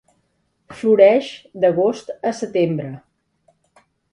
Floreix d'agost a setembre.